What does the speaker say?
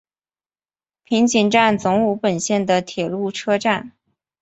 平井站总武本线的铁路车站。